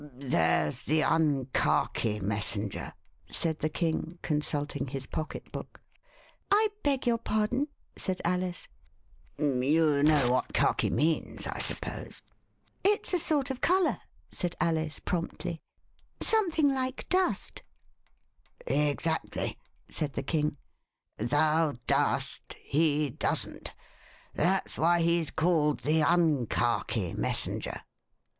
There's the Unkhaki Messenger," said the King, consulting his pocket book. I beg your pardon," said Alice. 25 The Westminster Alice You know what Khaki means ?" I suppose. It s a sort of colour," said Alice promptly; some thing like dust/' Exactly," said the King ;thou dost — he doesn't. That's why he's called the Unkhaki Messenger."